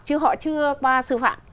chứ họ chưa